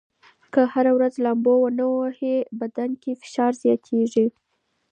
که هره ورځ لامبو ونه ووهئ، بدن کې فشار زیاتېږي.